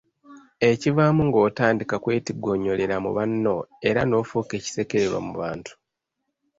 Ekivaamu ng'otandika kwetigoonyolera mu banno, era n'ofuuka ekisekererwa mu bantu.